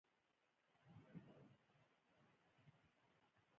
د بېوزلۍ کچه راټیټه شوه.